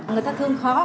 người ta thương khó